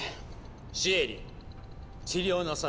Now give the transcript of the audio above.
シエリ治療なさい。